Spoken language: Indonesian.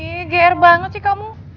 ih gr banget sih kamu